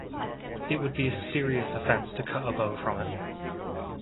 It would be a serious offense to cut a bough from it.